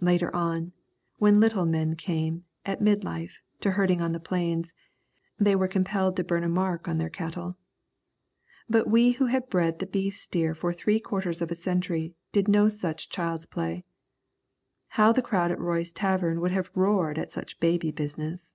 Later on, when little men came, at mid life, to herding on the plains, they were compelled to burn a mark on their cattle. But we who had bred the beef steer for three quarters of a century did no such child's play. How the crowd at Roy's tavern would have roared at such baby business.